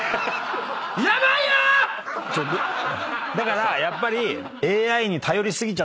だからやっぱり。